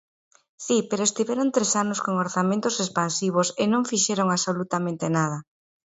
Si, pero estiveron tres anos con orzamentos expansivos e non fixeron absolutamente nada.